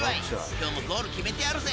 今日もゴール決めてやるぜ。